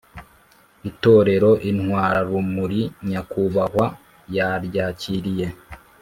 itorero Intwararumuri Nyakubahwa yaryakiriye